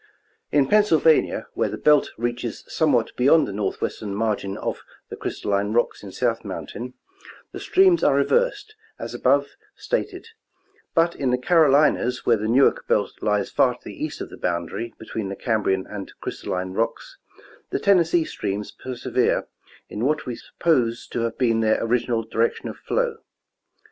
In Pennsylvania, where the belt reaches somewhat beyond the northwestern margin of the crystalline rocks in South mountain, the streams are reversed, as above stated ; but in the Garolinas where the Newark belt lies far to the east of the boun'dary between the Cambrian and crystal line rocks, the Tennessee streams persevere in what we suppose to have been their original direction of flow.